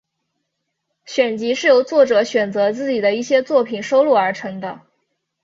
选集是由作者选择自己的一些作品收录而成的。